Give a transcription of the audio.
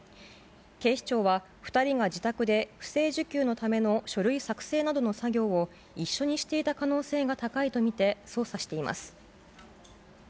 警視庁は、２人が自宅で不正受給のための書類作成などの作業を一緒にしていた可能性が高いと見て、捜査しています。